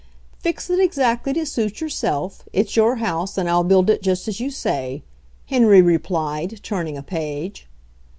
"Fix it exactly to suit yourself. It's your house, and I'll build it just as you say," Henry replied, turning a page.